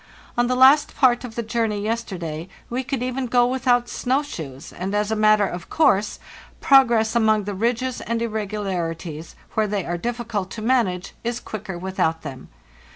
On the last part of the journey yesterday we could even go without snow shoes, and, as a matter of course, progress among the ridges and irregularities, where they are difficult to manage, 1s quicker without them.